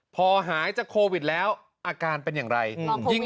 พอหายจากโควิดแล้วอาการเป็นอย่างไร